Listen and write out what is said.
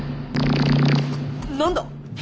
何だ？